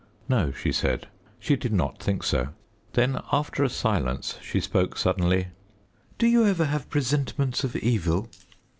No she said, she did not think so. Then, after a silence, she spoke suddenly "Do you ever have presentiments of evil?"